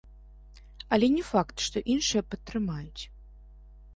Але не факт, што іншыя падтрымаюць.